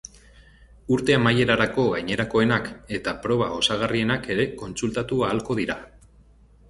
Urte amaierarako gainerakoenak eta proba osagarrienak ere kontsultatu ahalko dira.